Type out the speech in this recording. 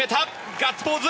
ガッツポーズ！